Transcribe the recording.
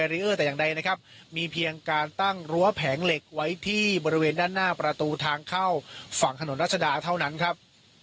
แต่อย่างใดนะครับมีเพียงการตั้งรั้วแผงเหล็กไว้ที่บริเวณด้านหน้าประตูทางเข้าฝั่งถนนรัชดาเท่านั้นครับ